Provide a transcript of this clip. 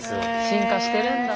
進化してるんだ。